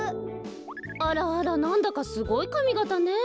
あらあらなんだかすごいかみがたねえ。